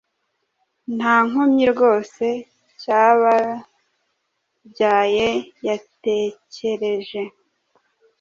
Nta nkomyi rwose cyababyaye yatekereje